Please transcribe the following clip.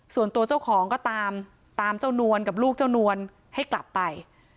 ส่วนตัวเจ้าของก็ตามตามเจ้านวลกับลูกเจ้านวลให้กลับไป